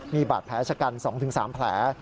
มีบาดแผลชะกัน๒๓แผล